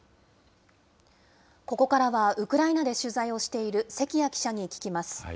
ここからはウクライナで取材をしている関谷記者に聞きます。